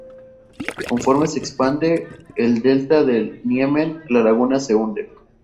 Conforme se expande el delta del Niemen, la laguna se hunde.